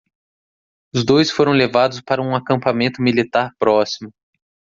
Os dois foram levados para um acampamento militar próximo.